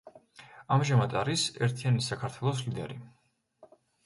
ამჟამად არის „ერთიანი საქართველოს“ ლიდერი.